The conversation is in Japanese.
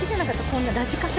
こんなラジカセ。